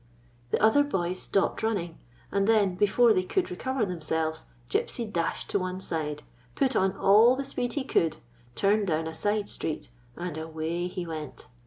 The other boys stopped running, and then, before they could recover themselves, Gypsy dashed to one side, put on all the speed he could, turned down a side street, and away he went.